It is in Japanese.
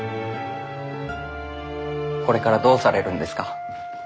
これからどうされるんですか？